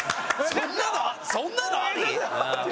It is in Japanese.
そんなのあり？